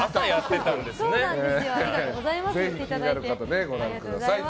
気になる方はご覧ください。